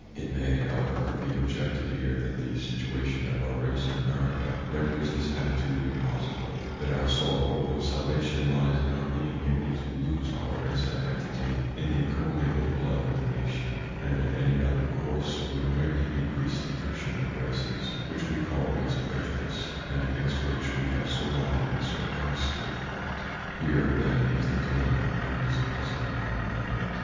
It may, however, be objected here that the situation of our race in America renders this attitude impossible; that our sole hope of salvation lies in our being able to lose our race identity in the commingled blood of the nation; and that any other course would merely increase the friction of races which we call race prejudice, and against which we have so long and so earnestly fought. [Pg 11]Here, then, is the dilemma, and it is a puzzling one, I admit.